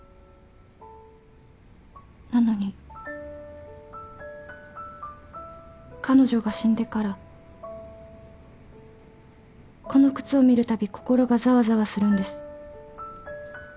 なのに彼女が死んでからこの靴を見るたび心がざわざわするんです。